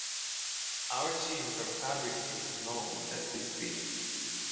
Our teams are fabricating the mould as we speak.